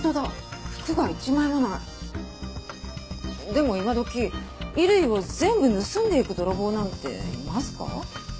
でも今どき衣類を全部盗んでいく泥棒なんていますか？